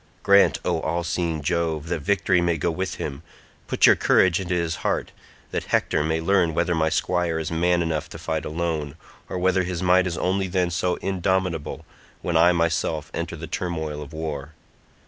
Grant, O all seeing Jove, that victory may go with him; put your courage into his heart that Hector may learn whether my squire is man enough to fight alone, or whether his might is only then so indomitable when I myself enter the turmoil of war.